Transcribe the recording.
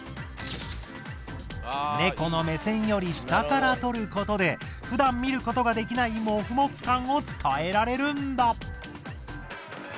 ネコの目線より下から撮ることでふだん見ることができないもふもふ感を伝えられるんだ！